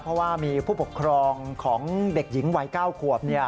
เพราะว่ามีผู้ปกครองของเด็กหญิงวัย๙ขวบ